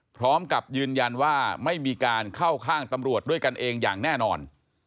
พร้อมกับยืนยันว่าไม่มีการเข้าข้างตำรวจด้วยกันเองอย่างแน่นอน